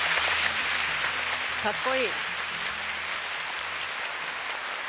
かっこいい！